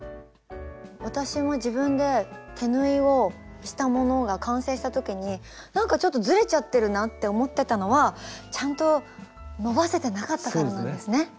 私も自分で手縫いをしたものが完成した時になんかちょっとずれちゃってるなって思ってたのはちゃんと伸ばせてなかったからなんですね。